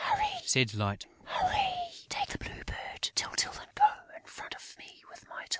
"Hurry!" said Light. "Hurry! Take the Blue Bird, Tyltyl, and go in front of me with Mytyl."